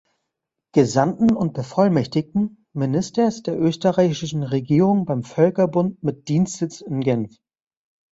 Gesandten und bevollmächtigten Ministers der österreichischen Regierung beim Völkerbund mit Dienstsitz in Genf.